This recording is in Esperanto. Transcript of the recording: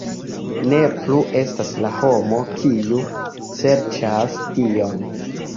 Ne plu estas la homo kiu serĉas Dion!